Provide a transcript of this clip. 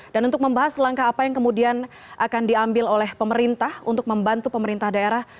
dan untuk membahas langkah apa yang kemudian akan diambil oleh pemerintah untuk membantu pemerintah daerah